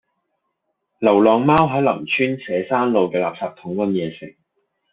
流浪貓喺林村社山路嘅垃圾桶搵野食